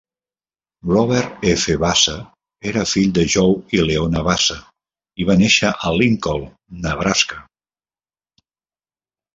Robert F. Vasa era fill de Joe i Leona Vasa i va néixer a Lincoln, Nebraska.